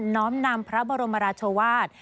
้อมนำพระบรมราชวาส